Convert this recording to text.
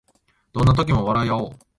どんな時も笑いあおう